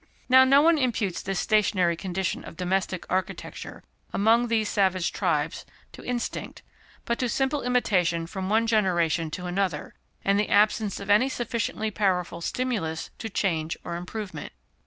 Now, no one imputes this stationary condition of domestic architecture among these savage tribes to instinct, but to simple imitation from one generation to another, and the absence of any sufficiently powerful stimulus to change or improvement.